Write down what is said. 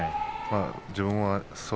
自分は。